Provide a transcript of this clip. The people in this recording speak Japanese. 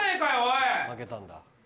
負けたんだ。